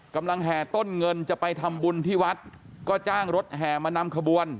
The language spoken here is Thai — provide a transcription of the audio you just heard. แห่ต้นเงินจะไปทำบุญที่วัดก็จ้างรถแห่มานำขบวน